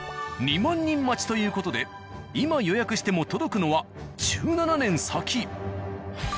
２万人待ちという事で今予約しても届くのは１７年先。